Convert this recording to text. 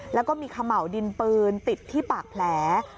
แล้วก็มีเขม่าวดินปืนติดที่ปากแผล